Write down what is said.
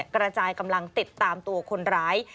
กระจายกำลังติดตามตัวคนร้าย